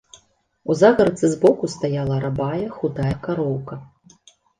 У загарадцы збоку стаяла рабая худая кароўка.